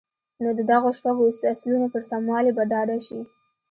نو د دغو شپږو اصلونو پر سموالي به ډاډه شئ.